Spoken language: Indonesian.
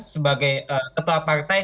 sebagai ketua partai